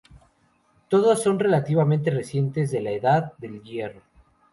Todas son relativamente recientes, de la Edad del Hierro.